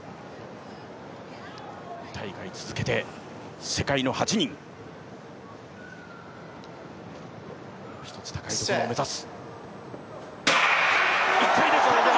２大会続けて世界の８人、もう一つ高いところを目指す。